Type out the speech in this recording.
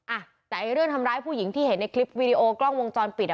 อ่ะแต่ไอ้เรื่องทำร้ายผู้หญิงที่เห็นในคลิปวีดีโอกล้องวงจรปิดอ่ะ